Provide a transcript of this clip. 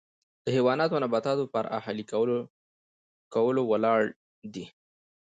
د حیواناتو او نباتاتو پر اهلي کولو ولاړ دی.